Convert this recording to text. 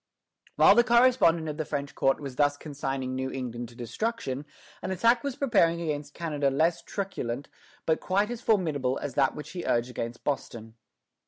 While the correspondent of the French court was thus consigning New England to destruction, an attack was preparing against Canada less truculent but quite as formidable as that which he urged against Boston.